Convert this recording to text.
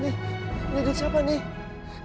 ini siapa nih